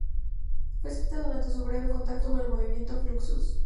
Fue escrita durante su breve contacto con el movimiento Fluxus.